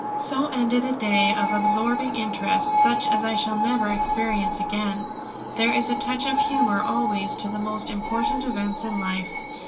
So ended a day of absorbing interest such as I shall never experience again. There is a touch of humour always to the most important events in life.